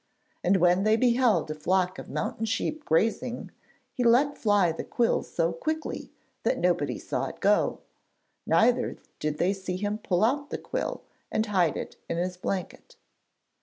And when they beheld a flock of mountain sheep grazing, he let fly the quill so quickly that nobody saw it go, neither did they see him pull out the quill and hide it in his blanket.